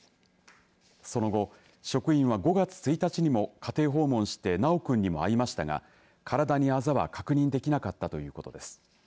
その後、職員が５月１日にも家庭を訪問して修くんにも会いましたがからだにあざは確認できなかったということです。